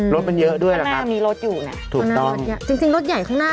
รถมันเยอะด้วยนะคะถูกต้องข้างหน้ามีรถอยู่เนี่ยจริงรถใหญ่ข้างหน้า